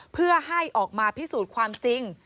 เพื่อให้ออกมาพิสูจน์ความจริง